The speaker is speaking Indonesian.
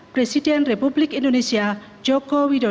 presiden republik indonesia joko widodo